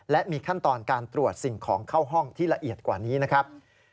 และมีขั้นตอนการตรวจสิ่งของเข้าห้องที่ละเอียดกว่านี้นะครับ